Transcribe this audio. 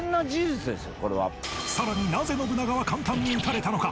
さらになぜ信長は簡単に討たれたのか？